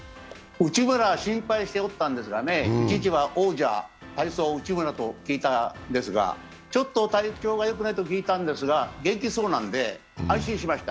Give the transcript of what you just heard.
内村は心配しておったんですがね、一時は王者、体操・内村と聞いていたんですが、ちょっと体調がよくないと聞いたんですが元気そうなので安心しました。